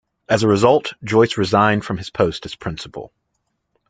As a result, Joyce resigned from his post as principal.